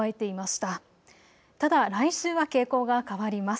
ただ来週は傾向が変わります。